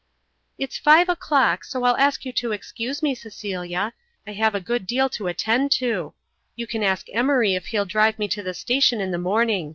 "It's five o'clock, so I'll ask you to excuse me, Cecilia. I have a good deal to attend to. You can ask Emory if he'll drive me to the station in the morning.